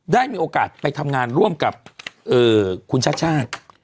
ได้มีโอกาสไปทำงานร่วมกับคุณชาติชาติ